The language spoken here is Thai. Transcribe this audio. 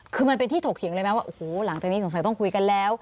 คือมันเป็นที่ถกเถียงเลยไหมว่าโอ้โหหลังจากนี้สงสัยต้องคุยกันแล้ว